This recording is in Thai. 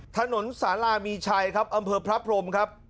ถนนสารามีชัยครับอำเภอพระพรมครับ